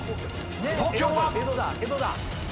東京は⁉］